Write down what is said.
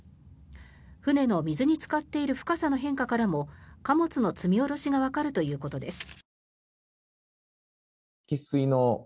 船の水につかっている深さの変化からも貨物の積み下ろしがわかるということです。